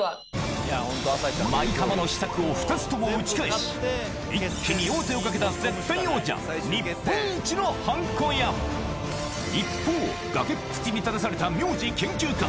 舞浜の秘策を２つとも打ち返し一気に王手をかけた絶対王者日本一のはんこ屋一方崖っぷちに立たされた名字研究家